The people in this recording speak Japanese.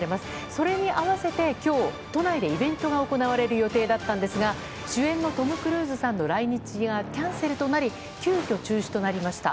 それに合わせて今日都内でイベントが行われる予定だったんですが主演のトム・クルーズさんの来日がキャンセルとなり急きょ中止となりました。